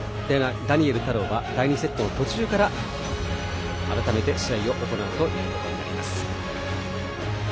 ダニエル太郎は第２セットの途中から改めて試合を行うことになります。